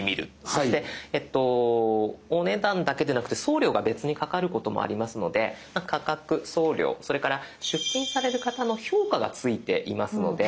そしてお値段だけでなくて送料が別にかかることもありますので価格送料それから出品される方の評価が付いていますので。